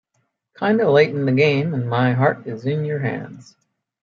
Kinda late in the game and my heart is in your hands.